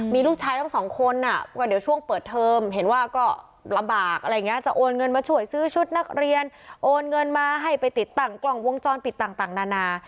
มีลูกชายต้องสองคนอ่ะก็เดี๋ยวช่วงเปิดเทอมเห็นว่าก็ลำบากอะไรอย่างนี้จะโอนเงินมาช่วยซื้อชุดนักเรียนโอนเงินมาให้ไปติดตั้งกล้องวงจรปิดต่างนานา